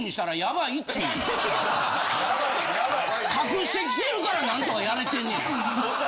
隠してきてるからなんとかやれてんねん。